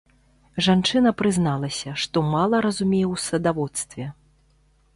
Жанчына прызналася, што мала разумее ў садаводстве.